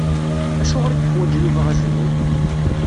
Acuɣer i yeḥwaǧ Yuba ajenwi?